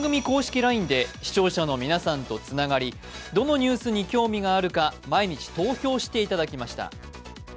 ＬＩＮＥで、視聴者の皆さんとつながりどのニュースに興味があるか、毎日投票していただきました。